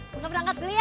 buka perangkat dulu ya